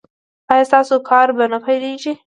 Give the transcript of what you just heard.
ایا ستاسو کار به نه پیلیږي؟